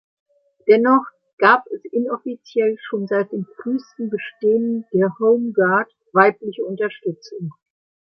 Dennoch gab es inoffiziell schon seit dem frühesten Bestehen der Home Guard weibliche Unterstützung.